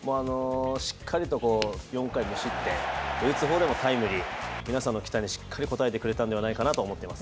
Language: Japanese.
しっかりと４回・無失点、打つ方でもタイムリーの皆さんの期待にしっかり応えてくれたんではないかなと思います。